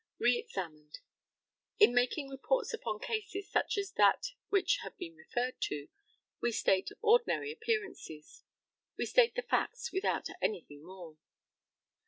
Re examined: In making reports upon cases such as that which has been referred to, we state ordinary appearances; we state the facts without anything more.